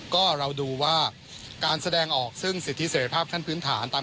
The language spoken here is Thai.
ก็เราดูว่าการแสดงออกซึ่งสิทธิเสร็จภาพขั้นพื้นฐาน